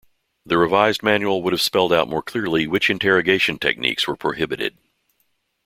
The revised manual would have spelled out more clearly which interrogation techniques were prohibited.